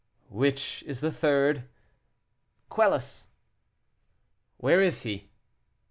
"Which is the third?" "Quelus." "Where is he?"